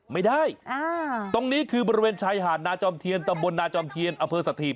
ไม่ได้ตรงนี้คือบริเวณชายหาดนาจอมเทียนตำบลนาจอมเทียนอำเภอสัตหีบ